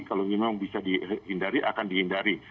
kalau memang bisa dihindari akan dihindari